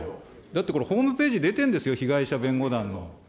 だってこれ、ホームページ出てるんですよ、被害者弁護団の。